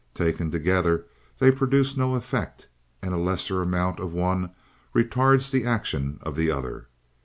Taken together, they produce no effect, and a lesser amount of one retards the action of the other."